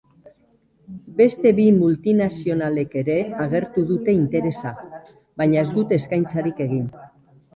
Beste bi multinazionalek ere agertu dute interesa, baina ez dute eskaintzarik egin.